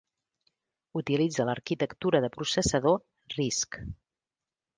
Utilitza l'arquitectura de processador RISC.